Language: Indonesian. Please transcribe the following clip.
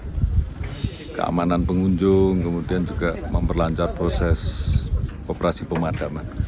untuk keamanan pengunjung kemudian juga memperlancar proses operasi pemadaman